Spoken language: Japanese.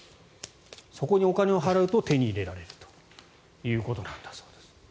そこにお金を払うと手に入れられるということなんだそうです。